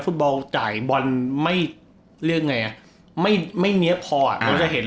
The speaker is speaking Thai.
บอลจ่ายบอลไม่เรียกไงอ่ะไม่ไม่เนี๊ยบพออ่ะเราจะเห็น